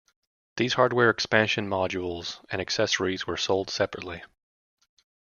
These hardware expansion modules and accessories were sold separately.